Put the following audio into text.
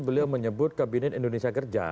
beliau menyebut kabinet indonesia kerja